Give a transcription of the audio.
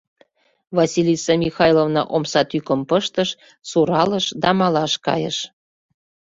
Василиса Михайловна омса тӱкым пыштыш, суралыш да малаш кайыш.